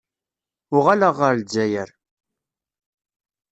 Uɣaleɣ ɣer Lezzayer.